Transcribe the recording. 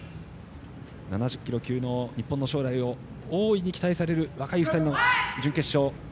７０キロ級の日本の将来を大いに期待される若い２人の準決勝。